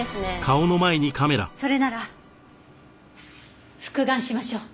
それなら復顔しましょう。